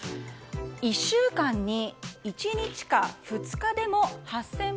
１週間に１日か２日でも８０００